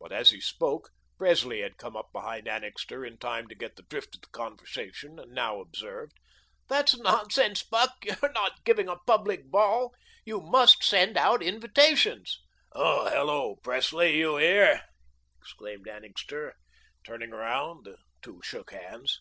But as he spoke, Presley had come up behind Annixter in time to get the drift of the conversation, and now observed: "That's nonsense, Buck. You're not giving a public ball. You MUST send out invitations." "Hello, Presley, you there?" exclaimed Annixter, turning round. The two shook hands.